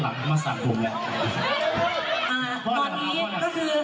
ครับผมขอบคุณแฟนเมย์ครับผมต้องล่อให้เห็นแล้วครับ